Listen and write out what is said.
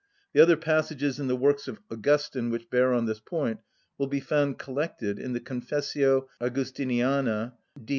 The other passages in the works of Augustine which bear on this point will be found collected in the "_Confessio Augustiniana e D.